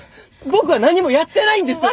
僕は何もやってないんです！